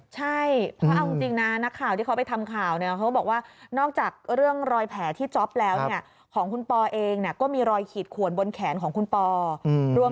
ใช่เพราะเอาจริงนะนักข่าวที่เขาไปทำข่าว